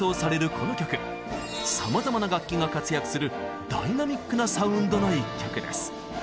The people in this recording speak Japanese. さまざまな楽器が活躍するダイナミックなサウンドの一曲です。